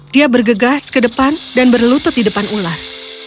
dia bergegas ke depan dan berlutut di depan ular